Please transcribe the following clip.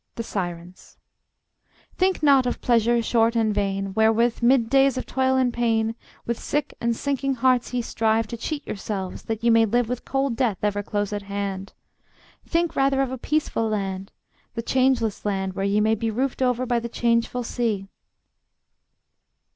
The Sirens: Think not of pleasure short and vain, Wherewith, 'mid days of toil and pain, With sick and sinking hearts ye strive To cheat yourselves that ye may live With cold death ever close at hand. Think rather of a peaceful land, The changeless land where ye may be Roofed over by the changeful sea.